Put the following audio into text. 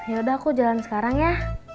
yaudah aku jalan sekarang ya